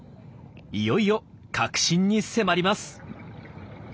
いよいよ核心に迫ります。